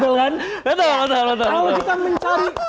kalau kita mencari